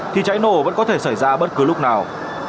thì cháy nổ vẫn có thể xảy ra bất cứ lúc nào